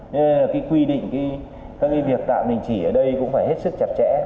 nên cái quy định các việc tạm đình chỉ ở đây cũng phải hết sức chặt chẽ